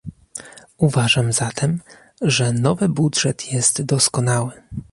Uważam zatem, że nowy budżet jest doskonały